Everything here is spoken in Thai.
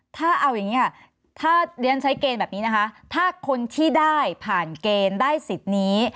ถ้าเอาอย่างนี้ค่ะถ้าเรียนใช้เกณฑ์แบบนี้นะคะถ้าคนที่ได้ผ่านเกณฑ์ได้สิทธิ์นี้